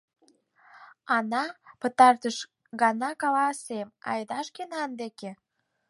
Ана, пытартыш гана каласем, айда шкенан деке!